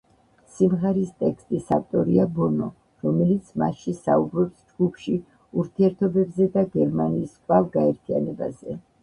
სიმღერის ტექსტის ავტორია ბონო, რომელიც მასში საუბრობს ჯგუფში ურთიერთობებზე და გერმანიის კვლავ გაერთიანებაზე.